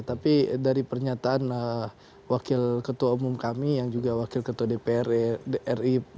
tapi dari pernyataan wakil ketua umum kami yang juga wakil ketua dpr ri